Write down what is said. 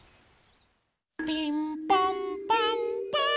ピンポンパンポーン！